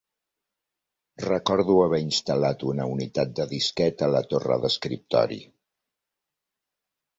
Recordo haver instal·lat una unitat de disquet a la torre d'escriptori.